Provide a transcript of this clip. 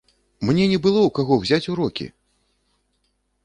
Мне не было ў каго ўзяць урокі!